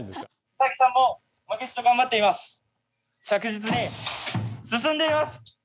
確実に進んでいます！